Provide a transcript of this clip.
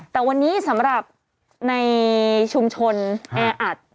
แต่วันนี้สำหรับในชุมชนแออัด